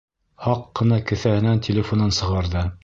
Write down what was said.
Һаҡ ҡына кеҫәһенән телефонын сығарҙы.